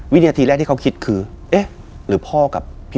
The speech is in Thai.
วินาทีแรกที่เขาคิดคือเอ๊ะหรือพ่อกับพี่